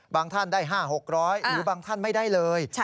ท่านได้๕๖๐๐หรือบางท่านไม่ได้เลย